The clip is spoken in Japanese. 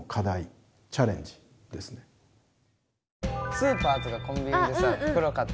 スーパーとかコンビニでさ袋買ったらさ